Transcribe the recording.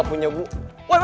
gak mau ini gue punya gue